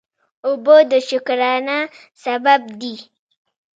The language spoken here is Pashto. اوبه د شکرانه سبب دي.